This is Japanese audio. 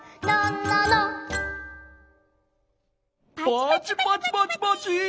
パチパチパチパチ。